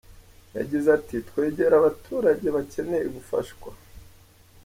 Yagize ati “Twegera abaturage bakeneye gufashwa.